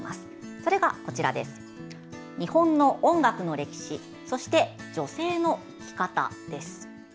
それが「日本の音楽の歴史」そして「女性の生き方」です。